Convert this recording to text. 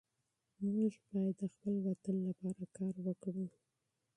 موږ باید د خپل وطن لپاره کار وکړو.